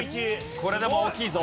これでも大きいぞ。